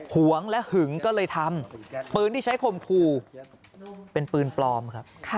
วงและหึงก็เลยทำปืนที่ใช้คมครูเป็นปืนปลอมครับ